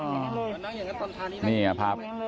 ก็เจิมลาศีด้วยตัวเราเองใช่ไหมคะ